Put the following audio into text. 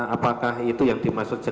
apakah itu yang dimaksudkan